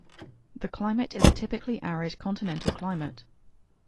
The climate is a typically arid continental climate.